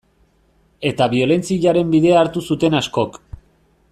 Eta biolentziaren bidea hartu zuten askok.